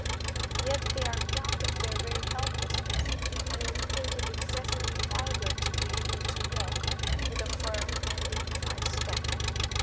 Yet they are proud of their very helplessness, and would think it excessively vulgar to be able to walk with a firm and dignified step.